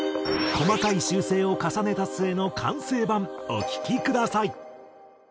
細かい修正を重ねた末の完成版お聴きください。